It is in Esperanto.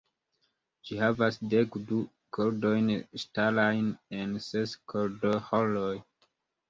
Ĝi havas dekdu kordojn ŝtalajn en ses kordoĥoroj.